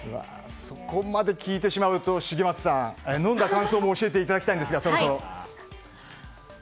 そこまで聞いてしまうと重松さん、飲んだ感想もそろそろ教えていただきたいのですが。